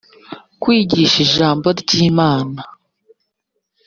kwigisha ijambo ry’imana